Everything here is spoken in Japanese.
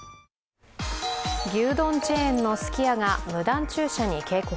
牛丼チェーンのすき家が無断駐車に警告。